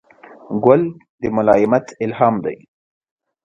ګل د ملایمت الهام دی.